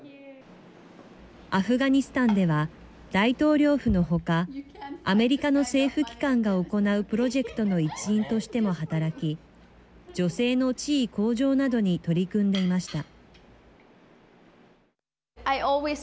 アフガニスタンでは大統領府の他アメリカの政府機関が行うプロジェクトの一員としても働き女性の地位向上などに取り組んでいました。